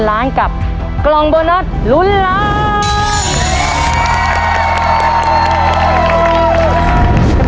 เงินล้านกับกล่องโบนัสหลุนล้าน